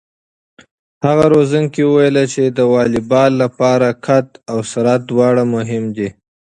هغه روزونکی وویل چې د واليبال لپاره قد او سرعت دواړه مهم دي.